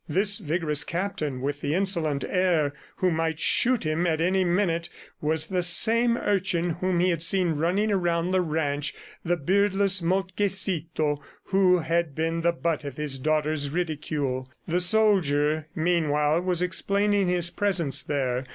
This vigorous captain with the insolent air who might shoot him at any minute was the same urchin whom he had seen running around the ranch, the beardless Moltkecito who had been the butt of his daughter's ridicule. ... The soldier, meanwhile, was explaining his presence there.